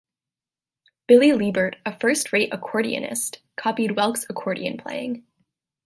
Billy Liebert, a first-rate accordionist, copied Welk's accordion playing.